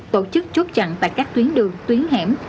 tổ chức chốt chặn tại các tuyến đường tuyến hẻm